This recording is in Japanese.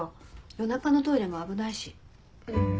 夜中のトイレも危ないし。